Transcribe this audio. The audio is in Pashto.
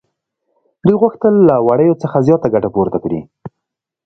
دوی غوښتل له وړیو څخه زیاته ګټه پورته کړي